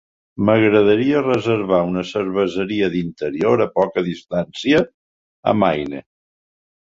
M'agradaria reservar una cerveseria d'interior a poca distància, a Maine.